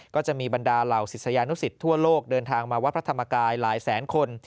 ก็จะมีบรรดาเหล่าศิษยานุสิตทั่วโลกเดินทางมาวัดพระธรรมกายหลายแสนคน